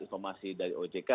informasi dari ock